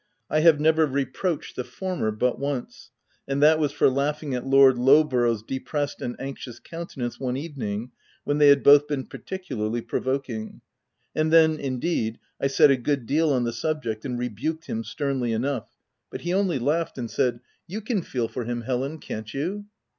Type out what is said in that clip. I have never reproached the former but once, and that was for laughing at Lord Lowborough's depressed and anxious countenance one evening, when they had both been particularly provoking; and then, indeed, I said a good deal on the subject, and rebuked him sternly enough ; but he only laughed, and said — OF WILDFELL HALL. 127 "You can feel for him, Helen — can't you?"